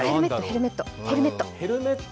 ヘルメット？